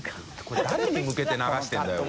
これ誰に向けて流してるんだよ。